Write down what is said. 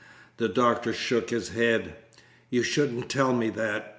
The doctor shook his head. "You shouldn't tell me that.